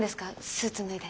スーツ脱いで。